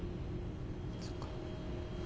そっか。